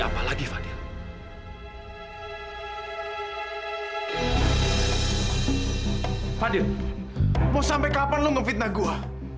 padil mau sampai kapan lo ngefitnah gue